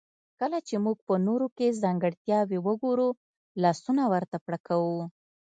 کله چې موږ په نورو کې ځانګړتياوې وګورو لاسونه ورته پړکوو.